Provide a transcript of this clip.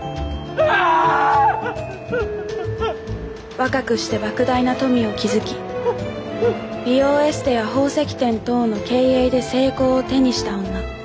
若くしてばく大な富を築き美容エステや宝石店等の経営で成功を手にした女